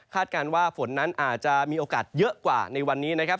การว่าฝนนั้นอาจจะมีโอกาสเยอะกว่าในวันนี้นะครับ